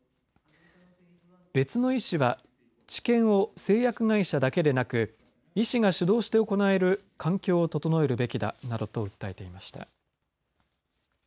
別の医師は治験を製薬会社だけでなく医師が主導して行える環境を整えるべきだなどと訴えていました。